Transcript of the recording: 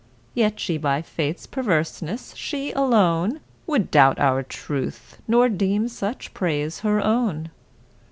Yet she by fate's perverseness—she alone Would doubt our truth, nor deem such praise her own!